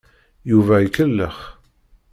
Yuba ikellex.